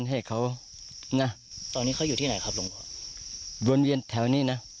ให้เขานะตอนนี้เขาอยู่ที่ไหนครับหลวงพ่อวนเวียนแถวนี้นะ